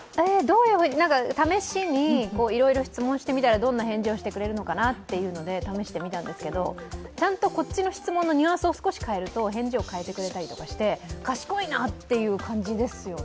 試しに、いろいろ質問してみたらどんな返事をしてくれるのかなというので試してみたんですけど、ちゃんとこっちの質問のニュアンスを少し変えると返事を変えてくれたりして賢いなっていう感じですよね。